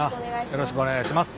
よろしくお願いします。